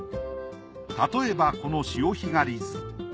例えばこの「潮干狩図」。